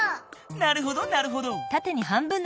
なるほどなるほど。